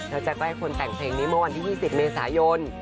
แล้วจะใกล้คนแต่งเพลงนี้เมื่อวันที่๒๐เมษายน